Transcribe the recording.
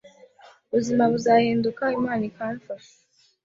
ubuzima buzahinduka Imana ikamfasha.